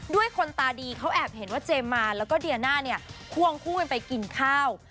ด้วยคนตาดีเขาแอบเห็นว่าเจมมาและเดียน่าควงคู่ไปกินข้าว